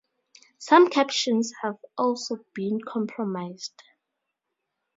Some captions have also been compromised.